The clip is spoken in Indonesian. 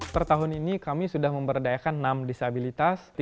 setahun ini kami sudah memberdayakan enam disabilitas